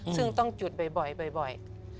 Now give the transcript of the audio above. ซึ่งต้องจุดบ่อย